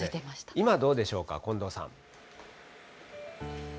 今、どうでしょうか、近藤さん。